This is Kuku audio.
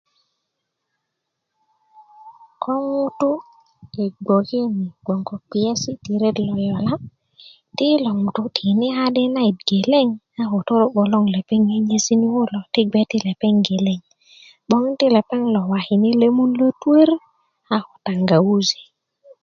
ko ŋutu' yi bgoke ni gwon ko kwesi ti ret lo yola ti yilo ŋutu' tiyini kadi nayit keleng s ko toro'bo long lepeng nyenyesiri ti gwe ti lepeng geleng 'bong ti lepeng lo wakini lemun lotuör a ko tagawuzi